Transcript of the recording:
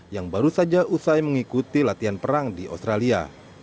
yang baru saja usai mengikuti latihan perang di australia